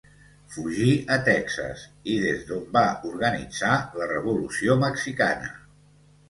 Fugí a Texas i des d'on va organitzar la Revolució Mexicana.